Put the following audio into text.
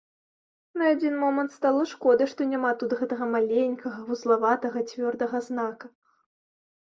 На адзін момант стала шкода, што няма тут гэтага маленькага вузлаватага цвёрдага знака.